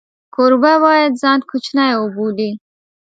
کوربه باید ځان کوچنی وبولي.